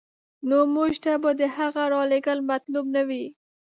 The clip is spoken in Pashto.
نو موږ ته به د هغه رالېږل مطلوب نه وي.